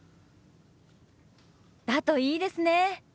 だといいですね。